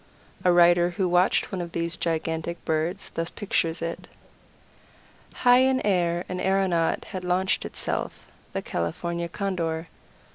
A writer who watched one of these gigantic birds thus pictures it: "High in air an aeronaut had launched itself the California Condor.